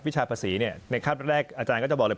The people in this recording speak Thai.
วิชาภาษีเนี่ยในครั้งแรกอาจารย์ก็จะบอกเลย